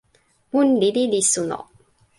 mun lili li suno.